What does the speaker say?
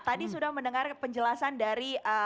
tadi sudah mendengar penjelasan dari